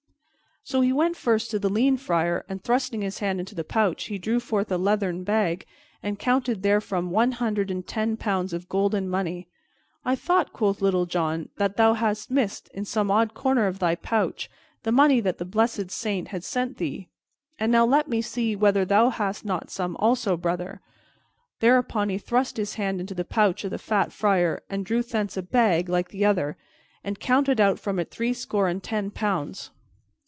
So he went first to the lean Friar, and, thrusting his hand into the pouch, he drew forth a leathern bag and counted therefrom one hundred and ten pounds of golden money. "I thought," quoth Little John, "that thou hadst missed, in some odd corner of thy pouch, the money that the blessed Saint had sent thee. And now let me see whether thou hast not some, also, brother." Thereupon he thrust his hand into the pouch of the fat Friar and drew thence a bag like the other and counted out from it threescore and ten pounds.